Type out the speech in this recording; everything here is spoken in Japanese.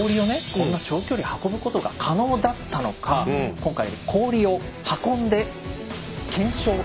こんな長距離運ぶことが可能だったのか今回氷を運んで検証してみました。